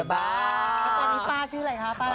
แล้วตอนนี้ป้าชื่ออะไรคะป้า